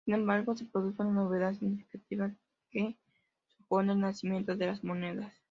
Sin embargo, se produce una novedad significativa que supone el nacimiento de las monedas.